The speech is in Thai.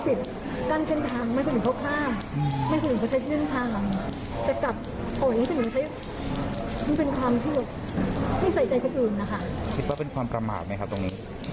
มีความสบเข้ามากกว่าเป็นความช่วยปุ่ง